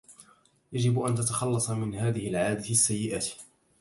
يجب أن تتخلص من هذه العادة السيئة.